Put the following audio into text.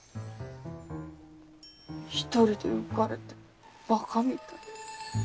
１人で浮かれてバカみたい。